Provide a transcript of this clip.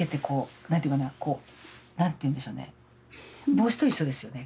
帽子と一緒ですよね。